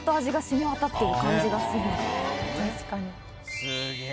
確かに。